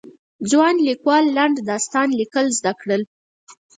ځوانو ليکوالو د لنډ داستان ليکل زده کړل.